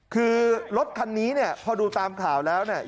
คือรถคันนี้เนี่ยพอดูตามข่าวแล้วเนี่ย